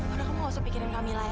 udah kamu nggak usah pikirin kamila ya